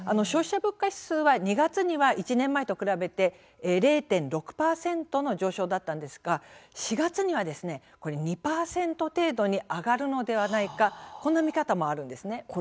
消費者物価指数は２月には１年前と比べて０．６％の上昇だったんですが４月には、２％程度に上がるのではないかこんな見方もあるんですね。